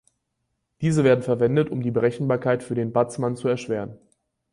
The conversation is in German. Diese werden verwendet, um die Berechenbarkeit für den Batsman zu erschweren.